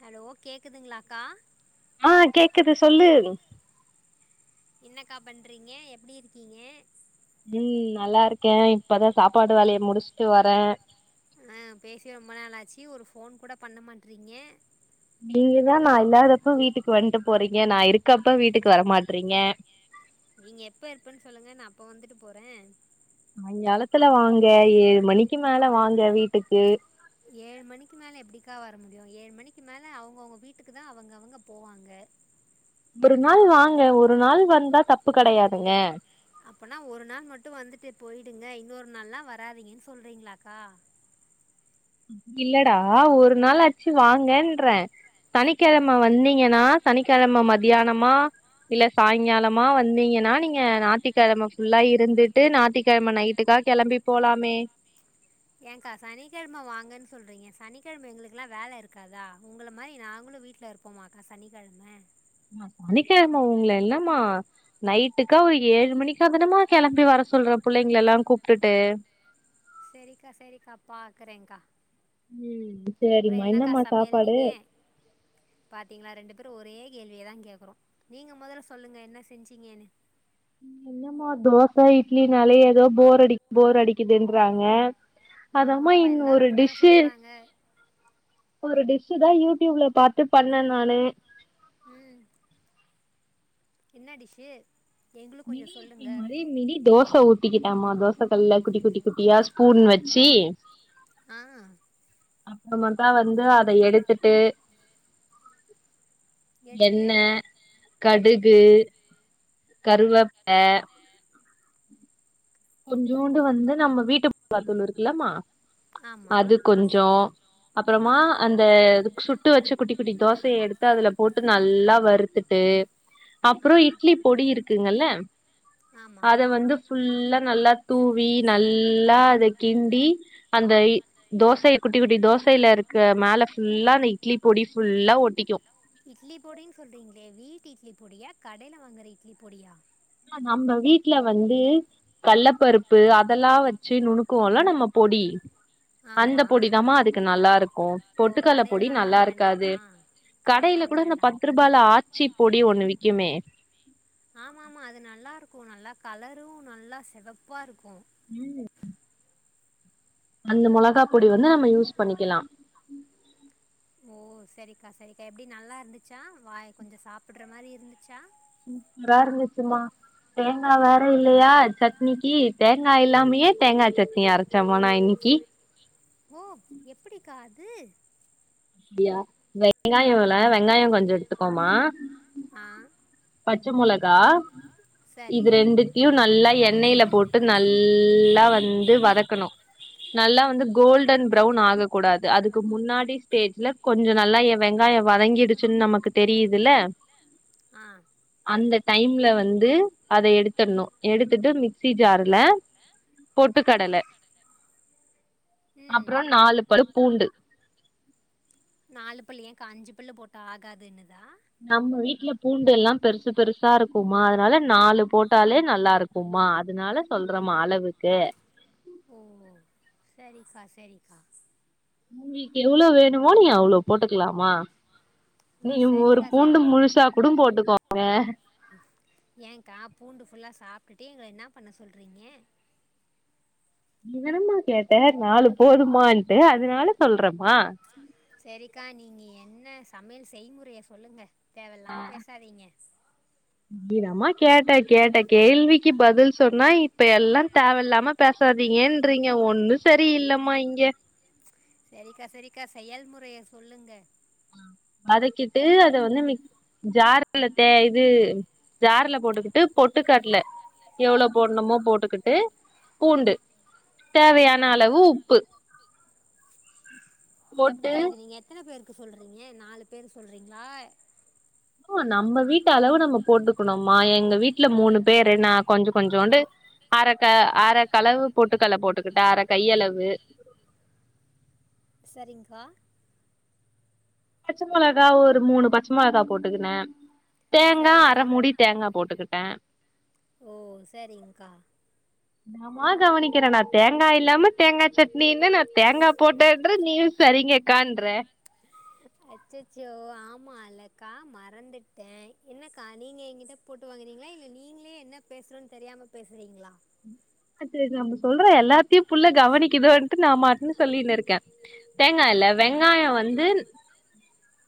hello கேக்குதுங்ளா கா ஆஹ் கேக்குது சொல்லு ன்னக்கா பண்றீங்க எப்ஜடி இருக்கீங்க உம் நல்லா இருக்கே இப்பதா சாப்பாடு வேலய முடிச்சு ஆஹ் பேசி ரொம்ப நாள ஆச்சு ஒரு போன் கூட பண்ண மாட்றீங்க நீங்க தா நா இல்லாதப்ப வீட்டுக்கு வந்ட்டு போறீங்க நா இருக்கப்ப வீட்டுக்கு வரமாட்றீங்க நீங்க எப்ப இருப்பன்னு சொல்லுங்க நா அப்ப வந்துட்டு போறே சாய்ங்காலத்துல வாங்க ஏழு மணிக்கு மேல வாங்க வீட்டுக்கு ஏழு மணிக்கு மேல எப்டிக்கா வ ர முடியு ஏழு மணிக்கு மேல அவ்ங்கவுங்க வீட்டுக்கு தா அவங்க அவங்க போவாங்க ஒரு நாள் வாங்க ஒரு நாள் வந்தா தப்பு கெடையாதுங்க அப்பனா ஒரு நாள் மட்டு வந்துட்டு போயிடுங்க இன்னொரு நாள்லா வராதீங்கன்னு சொல்றீங்களாக்கா இல்லடா ஒரு நாள்ளாச்சு வாங்கன்றே சனிக்கிழம வந்தீங்கனா சனிக்கிழம மத்தியானமா இல்ல சாயங்காலமா வந்தீங்கன்னா நீங்க ஞாத்திக்கிழம ஃபுல்லா இருந்துட்டு ஞாத்திக்கிழம நைட்டுக்கா கெளம்பி போலாமே ஏங்க்கா சனிக்கெழ்ம வாங்கன் சொல்றீங்க சனிகெழ்ம எங்களுக்கெல்லா வேல இருக்காதா உங்கள மாரி நாங்ளு வீட்ல இருப்போமாக்கா சனிகெழம சனிகிழம உங்கள இல்லாம நைட்டுக்கா ஒரு ஏழு மணிக்காதனமா கெளம்பி வர சொல்றே பிள்ளைங்கள எல்லா கூப்ட்டுட்டு செரிக்கா செரிக்கா பாக்குறேன்கா அப்பறோ என்னக்கா சமையல் நீங்க பாத்தீங்ளா ரெண்டு பேரு ஒரே கேள்விய தா கேக்குறோ நீங்க மொதல்ல சொல்லுங்க என்ன செஞ்சீங்கனு என்னம்மா தோச இட்லி நாலயே எதோ போர் அடி போர் அடிக்குதுன்றாங்க அதமா இன்னு ஒரு டிஷ்ஷு ஒரு டிஷ் இதா யூடியூப்ல பார்த்து பண்ணேன் நானு என்ன டிஷ்ஷு மினி இட்லி மாரி மி தோச ஊட்டிக்கிட்டாம தோச கல்ல குட்டி குட்டி குட்டியா சுட் ஸ்பூன்னு வச்சி அப்புறம தா வந்து அத எடுத்துட்டு எண்ணெ கடுகு கருவப்ல கொஞ்சோண்டு வந்து நம்ம வீட்டு பார்த்தள்ளு இருக்குலமா அது கொஞ்சொ அப்பறமா அந்த சுட்டு வச்சு குட்டி குட்டி தோசைய எட்த்து அதுல போட்டு நல்லா வறுத்துட்டு டு அப்பறோ இட்லி பொடி இருக்குங்கல்ல அத வந்து ஃபுல்லா ல்லா தூவி நல்லா அத கிண்டி அந்த இ தோசைய குட்டி குட்டி தோசையில இருக்க மேல ஃபுல்லா அந்த இட்லி பொ அப்டி ஃபுல்லா ஒட்டிக்கு இட்லி பொடின் சொல்றீங்களே வீட்டு இட்லி பொடியா கடையில வாங்குற இட்லி பொடியா நம்ப வீட்ல வந்து கள்ளப்பருப்பு அதெல்லா வச்சு நுணுக்குவோல்ல நம்ம போ பொடி அந்த பொடிதாமா அதுக்கு நல்லா இருக்கு பொட்டுக்கல்ல பொடி நல்லா இருக்காது கடையில கூட இந்த பத்ரூபால ஆச்சி பொடி ஒண்ணு விக்குமே நல்லா கலரு நல்லா செவப்பா இருக்கு ம் அந்த மொளகா பொடி வந்து நம்ம யூஸ் பண்ணிக்கலா ஓ செரிக்கா செரிக்கா எப்டி நல்லா இருந்துச்சா வாய் கொஞ்சொ சாப்பட்ற மாரி இருந்துச்சா சூப்பரா இருந்துச்சுமா தேங்கா வேற இல்லையா சட்னிக்கு தேங்கா இல்லாமையே தேங்கா சட்னி அரச்சம்மா நா இன்னிக் கி ஓ எப்டிக்கா அது ப்படியா இந்த வெங்காயோல்ல வெங்காயம் கொஞ்ச எடுத்துக்கோமா ஆ பச்ச மொளகா இது ரெண்டுத்துயு நல்லா எண்ணெய்ல போட்டு நல்லா வந்து வதக்கணு நல்லா வந்து கோல்டன் பிரவுன் ஆக கூடாது அதுக்கு முன்னாடி ஸ்டேஜ்ல கொஞ்ச நல்லா என் வெங்காயோ வதங்கிடுச்சுன்னு நமக்கு தெரியுதுல ஆ அந்த டைம்ல வந்து அத எடுத்தட்ணு எடுத்துட்டு மிக்சி ஜார்ல பொட்டுக்கடல அப்றோ நாலு பல் பூண்டு நாலு பள்ளு ஏங்க்கா அஞ்சு பல்லு போட்டா ஆகாதுன்துங்ளா நம்ம வீட்ல பூண்டு எல்லா பெருசு பெருசா இருக்குமா அதனால நாலு போட்டாலே நல்லா இருக்கு மா அதுனால சொல்றமா அளவுக்கு ஓ செரிக்கா செரிக்கா உங்குளுக்கு எவ்ளோ வேணுமோ நீ அவ்ளோ போட்டுக்லாமா நீயும் ஒரு பூண்டு முழுசா கூடும் போட்டுக்கோவே ஏங்கா பூண்டு ஃபுல்லா சாப்ட்டுட்டு எங்கல இன்னாப் பண்ண சொல்றீங்க நீ தானமா கேட்ட நாலு போதுமான்ட்டு அதுனால சொல்றமா செரிக்கா நீங்க என்ன சமையல் செய்முறைய சொல்லுங்க தேவயில்லாம பேசாதீங்க நீதாம்மா கேட்ட கேட்ட கேள்விக்கு பதில் சொன்னா இப்ப எல்லா தேவயில்லாம பேசாதீங் ஏன்றீங்க ஒன்னோ செரி இல்லமா இங்க சரிக்கா சரிக்கா செயல்முறைய சொல்லுங்க அ வதக்கிட்டு அத வந்து மிக் ஜார்ல த இது ஜார்ல போட்டுக்கிட்டு பொட்டுக்கட்ல எவ்ளோ போட்னமோ போட்டுக்கிட்டு பூண்டு தேவையான அளவு உப்பு எப்டி கா இது நீங்க எத்தன பேருக்கு சொல்றீங்க நாலு பேருக்கு சொல்றீங்களா இப்ப நம்ம வீட்டு அளவு நம்ம போட்டுக்கணும்மா எங்க வீட்ல மூணு பேரு நா கொஞ்சோ கொஞ்சோண்டு அரக்க அர களவு பொட்டுக்கல்ல போட்டுக்கிட்டா அர கையளவு [inaudible] சரிங்கா பச்ச மொளகா ஒரு மூணு பச்ச மொளகா போட்டுக்குனே தேங்கா அர மூடி தேங்கா போட்டுக்கிட்டே ஓ செரி்ங்கா இன்னாம்மா கவனிக்குற நா தேங்கா இல்லாம தேங்கா சட்னின்னா நா தேங்கா போட்டன்றே நீயு சரிங்கக்கான்ற அச்சச்சோ ஆமா இல்லக்கா மறந்துட்டே என்னக்கா நீங்க எங்கிட்ட போட்டு வாங்குரீங்களா இல்ல நீங்களே என்ன பேசுறோன்னு தெரியாம பேசுறீங்களா செரி நம்ம சொல்ற எல்லாத்தையு புள்ள கவனிக்குதோன்ட்டு நா மாட்ன்னு சொல்லினு இருக்கே தேங்கா இல்ல வெங்காயோ வந்து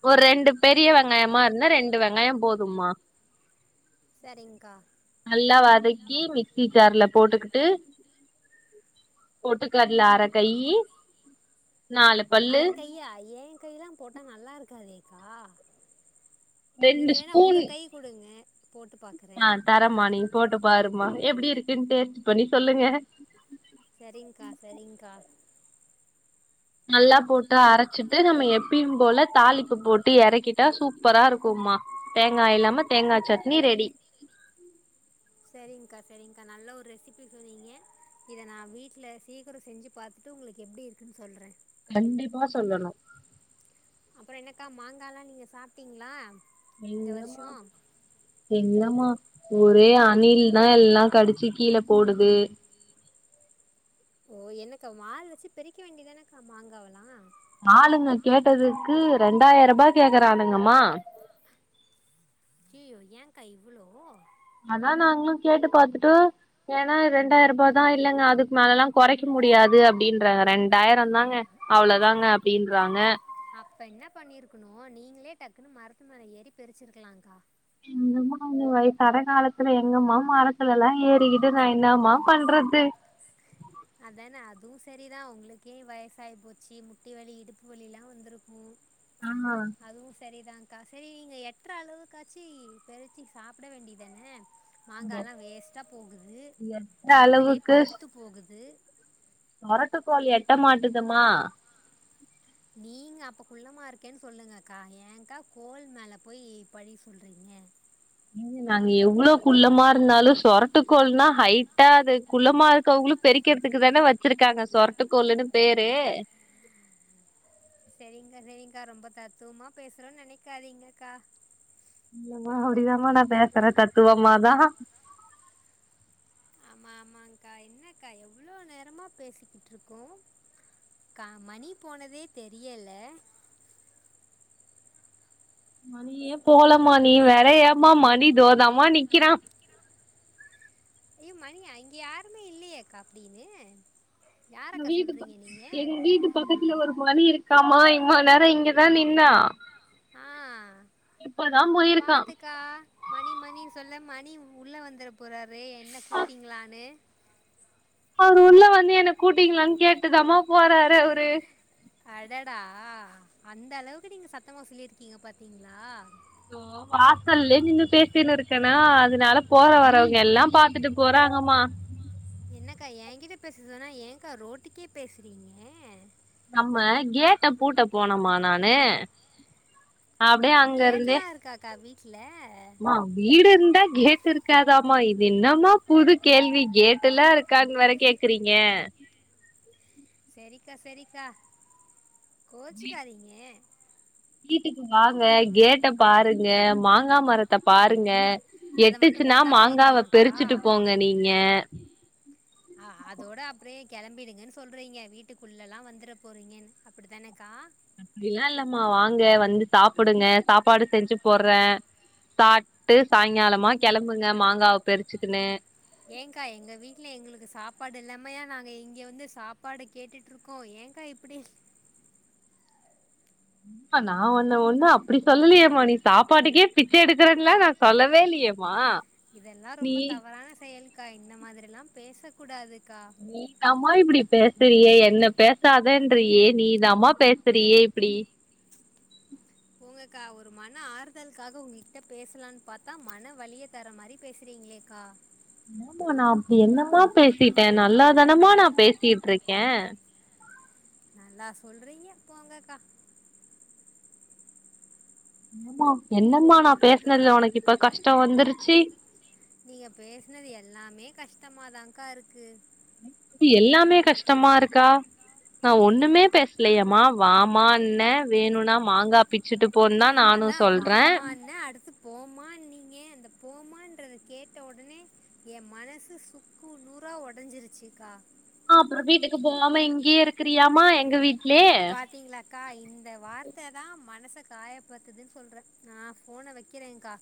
ஒரு ரெண்டு பெரிய வெங்காயமா இர்ந்தா ரெண்டு வெங்காயம் போதுமா செரிங்கா நல்லா வதக்கி மிக்சி ஜார்ல போட்டுக்கிட்டு பொட்டுக்கட்ல அரக் கையி அரக் கையா ஏ கைலா போட்டா நல்லா இருக்காதேக்கா நீங்க வேன்னா உங்க கை குடுங்க ஆ தரமா நீ போட்டு பாருமா எப்டி இருக்குன்னு டேஸ்ட்டு பண்ணி சொல்லுங்க செரிங்கா செரிங்கா நல்லா போட்டு அரச்சிட்டு நம்ம எப்பயு போல தாளிப்பு போட்டு எறக்கிட்டா சூப்பரா இருக்கும் மா தேங்கா இல்லாம தேங்கா சட்னி ரெடி செரிங்கா செரிங்கா நல்ல ஒரு ரெசிபி சொன்னீங்க இத நா வீட்ல சீக்கிரோ செஞ்சி பாத் து உங்குளுக்கு எப்டி இருக்குன்னு சொல்றே கண்டிப்பா சொல்லனோ அப்புறோ என்னக்கா மாங்காலா நீங்க சாப்ட்டீங்களா எங்கம்மா எங்கம்மா ஒரே அணில்தா எல்லா கடிச்சி கீழே போடுது ஓ என்னக்கா மால் வெச்சு பெரிக்க வேண்டியதானக்கா மாங்காவெலா ஆளுங்க கேட்டதுக்கு ரெண்டாயிரபா கேக்குராணுங்கம்மா அய்யய்யோ ஏ கா இவ்வளோ அதா நாங்களு கேட்டு பாத்துட்டு ஏன்னா ரெண்டாயிரபாதா இல்லங்க அதுக்கு மேலலா கொறைக்க முடியாது அப்டீன்றாங்க ரெண்டாயிரோதாங்க அவ்ளோதாங்க அப்டீன்றாங்க அப்ப என்ன பண்ணிருக்கணோ நீங்களே டக்குன்னு மரத்து மேல ஏறி பெரிச்சிருக்கலாக்கா ம் சும்மா ஒன்னு வய்சான காலத்துல எங்கம்மா மரத்துலலா ஏறிகிட்டு நா என்னாமா பண்றது உ அதான அதுவு சரிதா உங்களுக்கே வயசாயி போச்சு முட்டி வலி இடுப்பு வலில்லா வந்துருக்கு அதுவு சரிதாங் க சரி நீங்க எற்ற அளவுக்காச்சு பெருச்சு சாப்ட வேண்டியதானே மாங்கால்லா வேஸ்ட்டா போகுது மரத்திலேயே பழுத்து போகுது மொரட்டுக்கோழி எட்ட மாட்டுதுமா நீங்க அப்ப குள்ளமா இருக்கேன்னு சொல்லுங்க அக்கா ஏங்கா கோல் மேல போய் பழி சொல்றீங் நாங்க எவ்வள குள்ளமா இருந்தாலு சொரட்டுக்கோள்னா ஹைட்டா அது குள்ளமா இருக்கவங்களு பெரிய க்கிறதுக்கு தானே வச்சிருக்காங்க சொரட்டுக்கோளுன்னு பேரு சரிங்க்கா சரிங்க்கா ரொம்ப தத்துவமா பேசுறோனு நனைக்காதிங்கக்கா இல்லமா அப்படிதாமா நா பேசுறே தத்துவம்மாதா ஆமாங்கா என்னக்கா எவ்ளோ நேரமா பேசிக்கிட்ருக்கோ கா மணி போனதே தெரியல மணியே போலமா நீ வேற ஏமா மணி தோதாமா நிக்கிறா அய்ய மணியா இங்க யாருமே இல்லையேக்கா அப்டின்னு எ வீட்டு எங் வீட்டு பக்கத்துல ஒரு மணி இருக் கமா இம்மா நேரா இங்கதா நின்னா ஆ பாத்துக்கா மணி மணி சொல்ல மணி ணி உள்ள வந்துட போறாரு என்ன கூப்டிங்களான்னு அவரு உள்ள வந்து என்ன கூட்டிங்களானு கேட்டுதாம்மா போறாரு அவரு அடடா அந்த அளவுக்கு நீங்க சத்தமா சொல்லி இருக்கீங்க பாத்தீங்ளா வாசல்லயே நின்னு பேசின்னு இருக்கனா அதனால போற வரவங்க எல்லா பாத்துட்டு போறா ங்கமா என்னக்கா எ கிட்ட பேசுதுன்னா ஏகா ரோட்டுக்கே பேசுறீங்க நம்ம கேட்ட பூட்ட போனோமா நானு ஓ கேட்ல்லா இருக்காக்கா வீட்ல மா வீடு இருந்தா கேட் இருக்காதாமா இது என்னம்மா புது கேள்வி கேட்டுல்லா இருக் கான் வேர கேக்றீங்க சரிக்கா சரிக்கா கோச்சிக்காதீங்க வீட்டுக்கு வாங்க கேட்ட பாருங்க மாங்கா மரத்த பாருங்க எட்டுச்சுன்னா மாங்காவ பெறிச்சுட்டு போங்க நீங்க ஆ அதோட அப்றே கிளம்பிடுங்கேன்னு சொல்றீங்க வீட்டுக்குள்ளல்லா வந்துட போறீங்கேன்னு அப்படித்தானேக்கா அப்படிலா இல்லம்மா வாங்க வந்து சாப்டுங்க சாப்பாடு செஞ்சு போட்றே சாட்டு சாய்ங்காலமா களம்புங்க மாங்காவ பறிச்சுக்கன்னு ஏகா எங்க வீட்ல எங்களுக்கு சாப்பாடு இல்லாமையா நாங்க இங்க வந்து சாப்பாடு கேட்டுட்டு இருக்கோ ஏகா இப்டி ஆ நா ஒண்ணு ஒண்ணு அப்படி சொல்லலையமா நீ சாப்பாட்டுக்கே பிச்ச எடுக்கறேன்ல நா சொல்லவே இல் லலையமா இதெல்லா ரொம்ப தவறான செயல்கா இந்த மாதிரி எல்லா பேச கூடாது நீ தாமா இப்டி பேசுறியே என்ன பேசாதேன்றியே நீ தாமா பேசுறியே இப்டி போங்கக்கா ஒரு மன ஆறுதலுக்காக உங்ககிட்ட பேசலானு பாத்தா மன வலிய தர மாரி பேசுறீ ங்களேக்கா என்மா நா அப்டி என்னமா பேசிட்டே நல்லாதனமா நா பேசிட்ருக்கே நல்லா சொல்றீங்க போங்கக்கா என்னம்மா என்னம்மா நா பேசினதுல உனக்கு இப்ப கஷ்ட வந்துருச்சு நீங்க பேசுனது எல்லாமே கஷ்டமாதாகா இருக்கு அது எல்லாமே கஷ்டமா இருக்கா நா ஒண்ணுமே பேசலேயேம்மா வாமான்னே வேணுன்னா மாங்கா பிச்சிட்டு அதா வாமான்ன அடுத்து போமான்னீங்க அந்த கேட்ட ஒடனே ஏ மனசு சுக்கு நூறா ஒடஞ்சிருச்சிக்கா ஆ அப்பறோ வீட்டுக்கு போகாம இங்கேயே இருக்கிறியாமா எங்க வீட் பாத்தீங்களாக்கா இந்த வார்த் ததா மனச காய பத்துதுன்னு சொல்றே நா போன வக்கிறேக்கா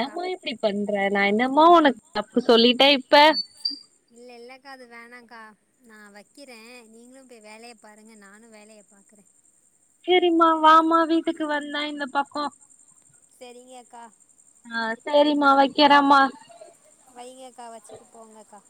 ஏம்மா இப்டி பண்ற நா என்னம்மா ஒனக்கு தப்பு சொல்லிட்டே இப்ப இல்ல இல்லக்கா அது வேணாக்கா நா வக்கிறே நீங்களு பொய் வேலைய பாருங்க நானு வேலயப் பாக்குறே சேரிம்மா வாம்மா வீட்டுக்கு வந்தா இந்த பக்கோ செரிங்கக்கா ஆ செரிமா வக்கிறேம்மா வைங்கக்கா வச்சிட்டு போங்கக்கா